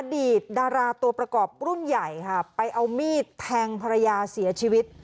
ดีตดาราตัวประกอบรุ่นใหญ่ค่ะไปเอามีดแทงภรรยาเสียชีวิต